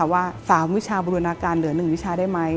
ว่าสาววิชาบริวณาการเหลือหนึ่งวิชาได้ไหม